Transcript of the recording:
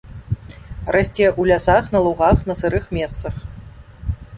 Расце ў лясах, на лугах, на сырых месцах.